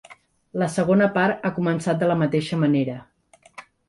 La segona part ha començat de la mateixa manera.